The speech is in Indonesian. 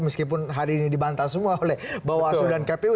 meskipun hari ini dibantah semua oleh bawah asuransi kpu